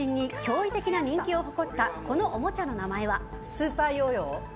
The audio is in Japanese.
スーパーヨーヨー。